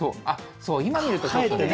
そう、今見るとちょっとね。